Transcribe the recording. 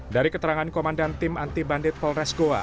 dari keterangan komandan tim anti bandit polres goa